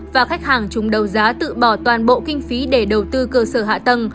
và khách hàng chung đầu giá tự bỏ toàn bộ kinh phí để đầu tư cơ sở hạ tầng